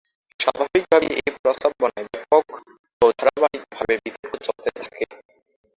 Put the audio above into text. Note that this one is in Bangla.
স্বাভাবিকভাবেই এ প্রস্তাবনায় ব্যাপক ও ধারাবাহিকভাবে বিতর্ক চলতে থাকে।